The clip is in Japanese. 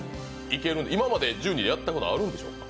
今まで１０人やったことあるんでしょうか？